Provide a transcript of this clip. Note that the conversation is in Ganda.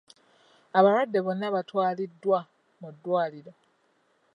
Abalwadde bonna baatwaliddwa mu ddwaliro.